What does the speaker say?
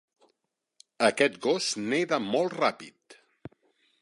Aquest gos neda molt ràpid.